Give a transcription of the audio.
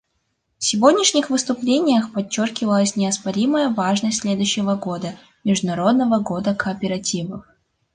В сегодняшних выступлениях подчеркивалась неоспоримая важность следующего года, Международного года кооперативов.